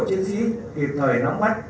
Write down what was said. chiến sĩ kịp thời nắm mắt